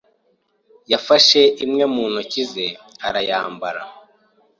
yafashe imwe mu ntoki ze arayambara.